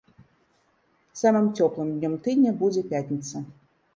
Самым цёплым днём тыдня будзе пятніца.